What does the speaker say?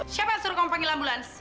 siapa yang suruh ngomong panggil ambulans